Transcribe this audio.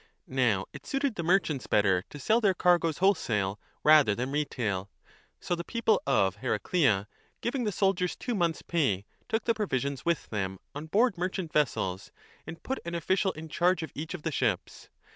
Now it suited the merchants, better to sell their cargoes wholesale rather than retail. So the people of Heraclea, giving the soldiers two months pay, took the provisions with them x on board merchant vessels and put 10 an official in charge of each of the ships.